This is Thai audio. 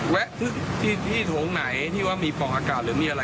ที่โถงไหนที่ว่ามีปล่องอากาศหรือมีอะไร